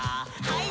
はい。